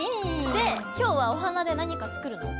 で今日はお花で何か作るの？